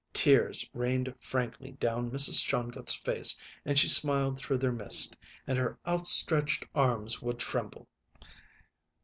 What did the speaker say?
Tears rained frankly down Mrs. Shongut's face and she smiled through their mist, and her outstretched arms would tremble.